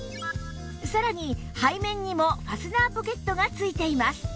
さらに背面にもファスナーポケットが付いています